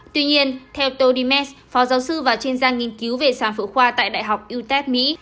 tuy nhiên theo toe demes phó giáo sư và chuyên gia nghiên cứu về sản phụ khoa tại đại học utep mỹ